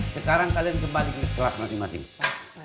sekarang kalian kembali ke kelas masing masing